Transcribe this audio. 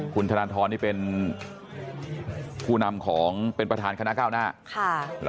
คุณธนทรนี่เป็นผู้นำของเป็นประธานคณะก้าวหน้า